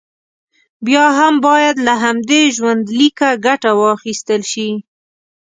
بیا هم باید له همدې ژوندلیکه ګټه واخیستل شي.